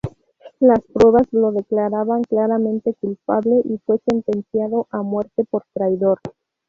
Las pruebas lo declaraban claramente culpable y fue sentenciado a muerte por traidor.